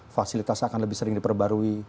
fasilitas akan lebih sering diperbarui